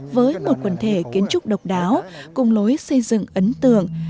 với một quần thể kiến trúc độc đáo cùng lối xây dựng ấn tượng